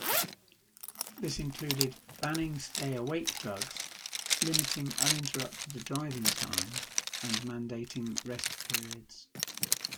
This included banning "stay-awake" drugs, limiting uninterrupted driving time and mandating rest periods.